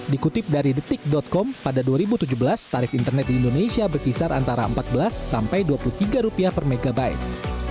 dikutip dari detik com pada dua ribu tujuh belas tarif internet di indonesia berkisar antara empat belas sampai dua puluh tiga rupiah per megabyte